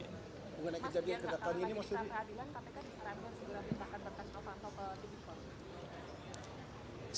mas biar tidak terjadi kesalahan adilan kata kata disarankan segera ditangkap tentang kompok kompok tvpol